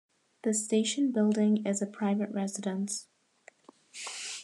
The station building is a private residence.